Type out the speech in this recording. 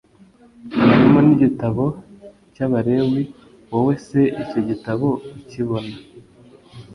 harimo n igitabo cy abalewi wowe se icyo gitabo ukibona